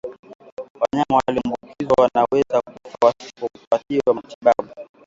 Wanyama walioambukizwa wanaweza kufa wasipopatiwa matibabu